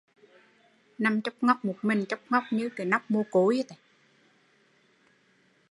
Nằm chóc ngóc một mình, chóc ngóc như nóc mồ côi